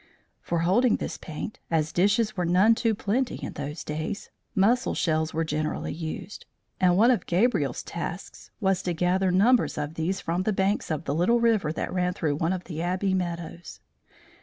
For holding this paint, as dishes were none too plenty in those days, mussel shells were generally used; and one of Gabriel's tasks was to gather numbers of these from the banks of the little river that ran through one of the Abbey meadows.